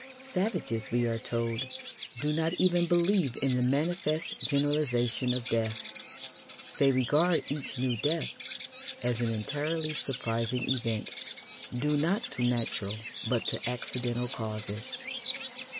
Savages, we are told, do not even believe in the manifest generalisation of death: they regard each new death as an entirely surprising event, due not to natural, but to accidental causes.